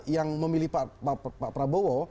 yang memilih pak prabowo